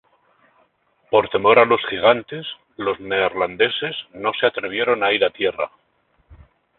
Por temor a los gigantes, los neerlandeses no se atrevieron a ir a tierra.